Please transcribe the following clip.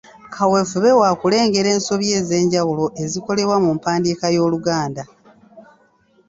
Kaweefube wa kulengera ensobi ez'enjawulo ezikolebwa mu mpandiika y'Oluganda.